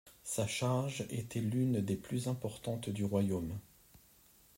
Sa charge était l’une des plus importantes du royaume.